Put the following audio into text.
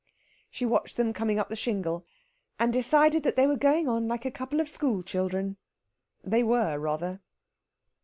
She watched them coming up the shingle, and decided that they were going on like a couple of school children. They were, rather.